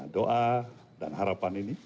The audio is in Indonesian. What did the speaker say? doa dan harapan ini